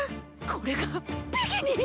これがビキニ